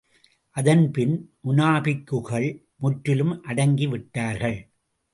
அதன்பின், முனாபிக்குகள் முற்றிலும் அடங்கி விட்டார்கள்.